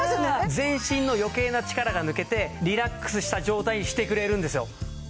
全身の余計な力が抜けてリラックスした状態にしてくれるんですよ。